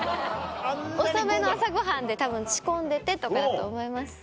⁉遅めの朝ごはんでたぶん仕込んでてとかだと思います。